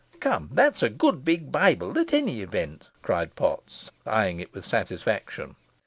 "Come, that's a good big Bible at all events," cried Potts, eyeing it with satisfaction.